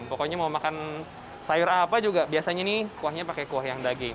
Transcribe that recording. pokoknya mau makan sayur apa juga biasanya nih kuahnya pakai kuah yang daging